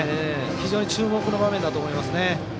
非常に注目の場面だと思います。